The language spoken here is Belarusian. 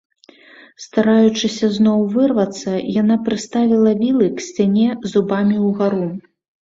Стараючыся зноў вырвацца, яна прыставіла вілы к сцяне зубамі ўгару.